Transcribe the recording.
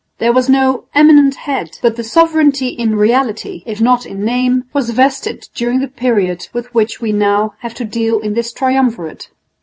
There was no "eminent head," but the sovereignty in reality, if not in name, was vested during the period with which we have now to deal in this triumvirate.